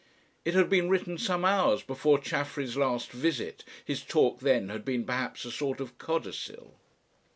It had been written some hours before Chaffery's last visit his talk then had been perhaps a sort of codicil.